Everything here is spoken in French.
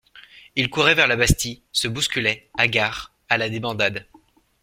Ils couraient vers la Bastille, se bousculaient, hagards, à la débandade.